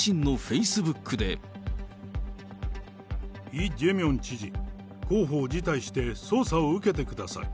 イ・ジェミョン知事、候補を辞退して、捜査を受けてください。